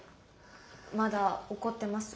まだ怒ってます？